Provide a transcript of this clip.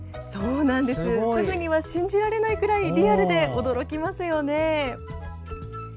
すぐには信じられないくらいリアルで驚きますよね。